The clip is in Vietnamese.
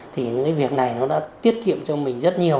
thì những việc này nó đã tiết kiệm cho mình rất nhiều